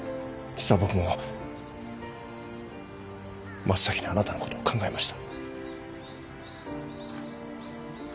実は僕も真っ先にあなたの事を考えました。